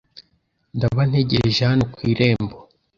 Ndaba ntegerereje hano ku irembo.”